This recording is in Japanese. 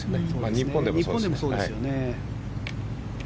日本でもそうですよね。